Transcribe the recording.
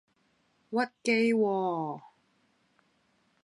屈機喎!